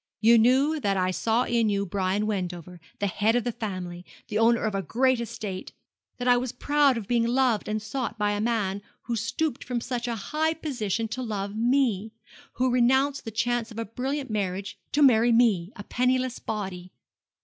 You knew that I saw in you Brian Wendover, the head of the family, the owner of a great estate; that I was proud of being loved and sought by a man who stooped from such a high position to love me, who renounced the chance of a brilliant marriage to marry me, a penniless body!